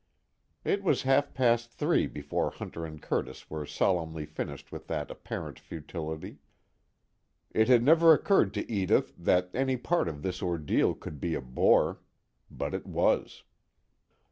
It was half past three before Hunter and Curtis were solemnly finished with that apparent futility. It had never occurred to Edith that any part of this ordeal could be a bore. But it was.